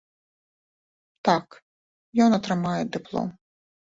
Так, ён атрымае дыплом.